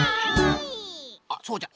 あっそうじゃ。